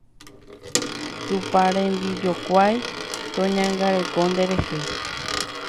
Tupãrembijokuái toñangareko nderehe